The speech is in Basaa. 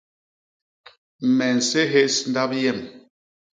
Me nséhés ndap yem.